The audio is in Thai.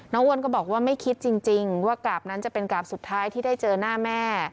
อ้วนก็บอกว่าไม่คิดจริงว่ากราบนั้นจะเป็นกราบสุดท้ายที่ได้เจอหน้าแม่